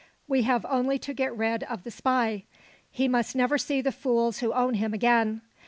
We have only to get rid of the spy. He must never see the fools who own him, again.